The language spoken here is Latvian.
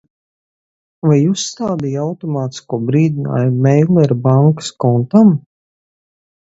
Vai uzstādīji automātisko brīdinājumu Meilera bankas kontam?